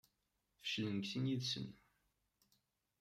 Feclen deg sin yid-sen.